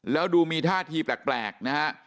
แล้วดูมีท่าทีแปลกนะฮะ